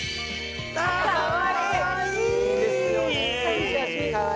かわいいね。